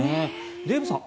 デーブさん